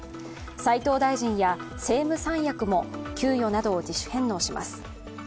斉藤大臣や政務三役も給与などを自主返納します。